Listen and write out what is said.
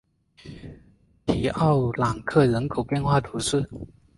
皮奥朗克人口变化图示